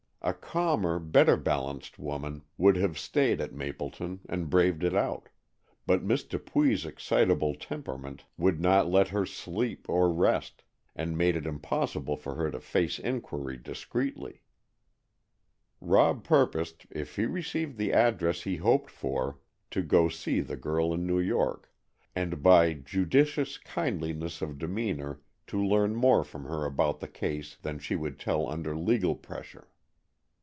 A calmer, better balanced woman would have stayed at Mapleton and braved it out, but Miss Dupuy's excitable temperament would not let her sleep or rest, and made it impossible for her to face inquiry discreetly. Rob purposed, if he received the address he hoped for, to go to see the girl in New York, and by judicious kindliness of demeanor to learn more from her about the case than she would tell under legal pressure.